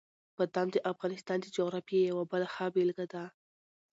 بادام د افغانستان د جغرافیې یوه بله ښه بېلګه ده.